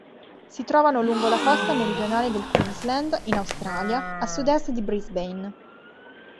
Si trovano lungo la costa meridionale del Queensland, in Australia, a sud-est di Brisbane.